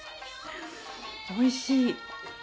おいしい。